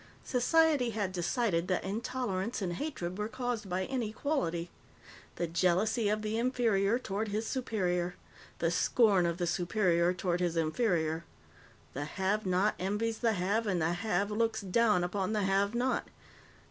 Society had decided that intolerance and hatred were caused by inequality. The jealousy of the inferior toward his superior; the scorn of the superior toward his inferior. The Have not envies the Have, and the Have looks down upon the Have not.